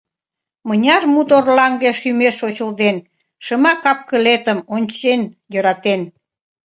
Мыняр муторлаҥге шӱмеш шочылден, Шыма кап-кылетым ончен йӧратен!